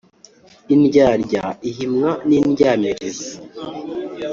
Indyarya ihimwa n’indyamirizi.